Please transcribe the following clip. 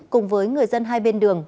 cùng với người dân hai bên đường